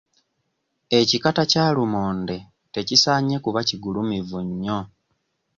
Ekikata kya lumonde tekisaanye kuba kigulumivu nnyo.